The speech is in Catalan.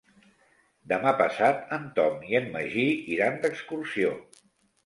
Demà passat en Tom i en Magí iran d'excursió.